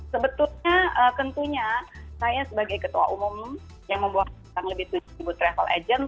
sebetulnya tentunya saya sebagai ketua umum yang membawa tentang lebih dari seribu travel agent